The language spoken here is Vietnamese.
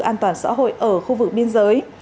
an toàn xã hội ở khu vực biên giới